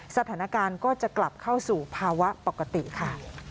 สถานการณ์ก็จะกลับเข้าสู่ภาวะปกติค่ะ